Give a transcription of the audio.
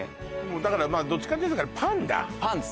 だからどっちかっていうとパンだパンです